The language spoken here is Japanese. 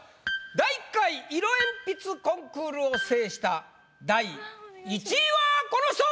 第１回色鉛筆コンクールを制した第１位はこの人！